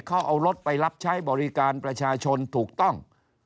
เขาเอารถไปรับใช้บริการประชาชนถูกต้อง